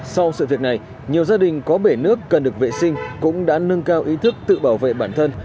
sau sự việc này nhiều gia đình có bể nước cần được vệ sinh cũng đã nâng cao ý thức tự bảo vệ bản thân